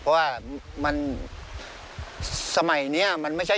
เพราะว่ามันสมัยนี้